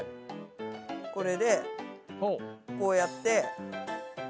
これでこうやって。